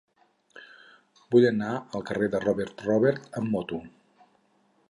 Vull anar al carrer de Robert Robert amb moto.